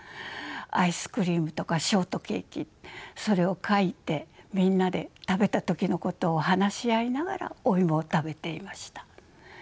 アイスクリームとかショートケーキそれを描いてみんなで食べた時のことを話し合いながらお芋を食べていました。